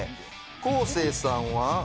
昴生さん？